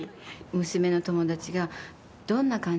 娘の友達が「どんな感じなの？